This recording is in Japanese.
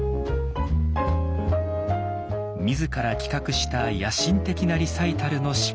自ら企画した野心的なリサイタルの失敗。